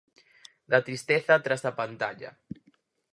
Da tristeza tras a pantalla.